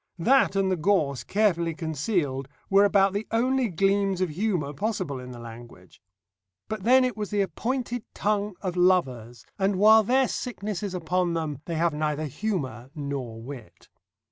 That and the gorse carefully concealed were about the only gleams of humour possible in the language. But then it was the appointed tongue of lovers, and while their sickness is upon them they have neither humour nor wit.